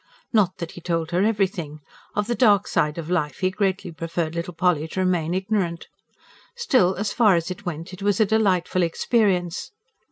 Not that he told her everything; of the dark side of life he greatly preferred little Polly to remain ignorant. Still, as far as it went, it was a delightful experience.